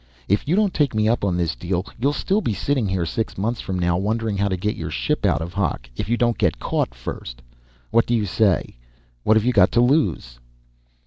If you don't take me up on this deal, you'll still be sitting here six months from now wondering how to get your ship out of hock if you don't get caught first. What do you say? What've you got to lose?"